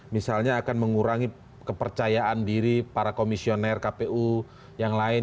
misalnya akan mengurangi kepercayaan diri para komisioner kpu yang lain